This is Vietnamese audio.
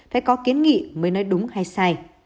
phải có kiến nghị mới nói đúng hay sai